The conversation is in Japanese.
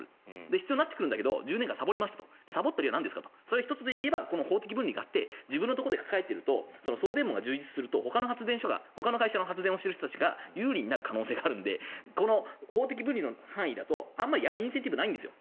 必要になってくるけど１０年間さぼったさぼった理由の１つはこの法的分離があって自分のところで抱えていると送電網が充実するとほかの発電所がほかの開発をしている人たちが有利になる可能性があるので法的分離の範囲だとあまりやるインセンティブがないんです。